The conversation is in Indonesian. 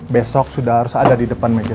besok sudah harus ada di depan meja